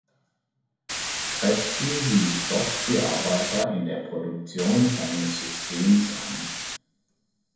Crespi wies dort die Arbeiter in der Produktion seines Systems an.